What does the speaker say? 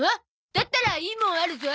だったらいいもんあるゾ。